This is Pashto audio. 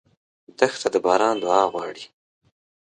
دښته د باران دعا غواړي.